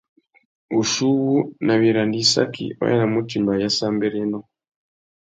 Wuchiuwú, nà wiranda-issaki, wa yānamú utimba ayássámbérénô.